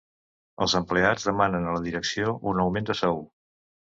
Els empleats demanen a la direcció un augment de sou.